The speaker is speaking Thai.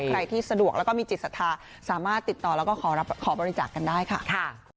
ใครที่สะดวกแล้วก็มีจิตศรัทธาสามารถติดต่อแล้วก็ขอบริจาคกันได้ค่ะ